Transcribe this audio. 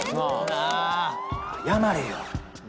謝れよ。